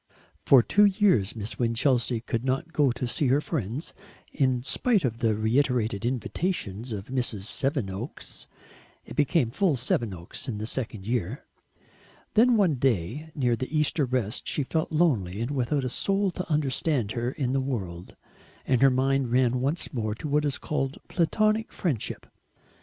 For two years Miss Winchelsea could not go to see her friends, in spite of the reiterated invitations of Mrs. Sevenoaks it became full Sevenoaks in the second year. Then one day near the Easter rest she felt lonely and without a soul to understand her in the world, and her mind ran once more on what is called Platonic friendship.